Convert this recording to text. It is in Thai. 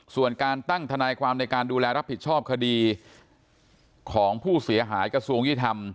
ส่วนการตั้งทนายความในการดูแลรับผิดชอบคดีของผู้เสียหายกระทรวงยี่ธรรม